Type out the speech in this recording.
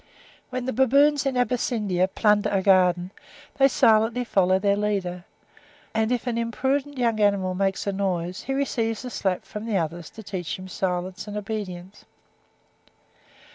When the baboons in Abyssinia (19. Brehm, 'Thierleben,' B. i. s. 76.) plunder a garden, they silently follow their leader; and if an imprudent young animal makes a noise, he receives a slap from the others to teach him silence and obedience.